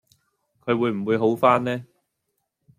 佢會唔會好番呢？